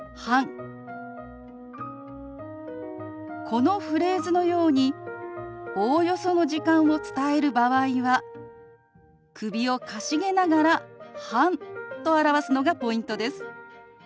このフレーズのようにおおよその時間を伝える場合は首をかしげながら「半」と表すのがポイントです。